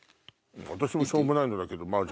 私もしょうもないのだけど。